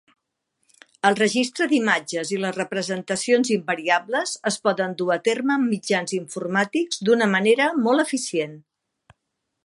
El registr d'imatges i les representacions invariables es poden dur a terme amb mitjans informàtics d'una manera molt eficient.